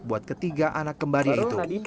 buat ketiga anak kembaria itu